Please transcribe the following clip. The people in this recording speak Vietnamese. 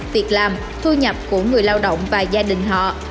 việc làm thu nhập của người lao động và gia đình họ